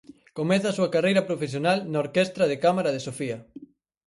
Comeza a súa carreira profesional na Orquestra de Cámara de Sofía.